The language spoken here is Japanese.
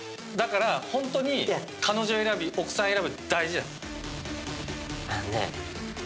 だからホントに彼女選び奥さん選び大事だ。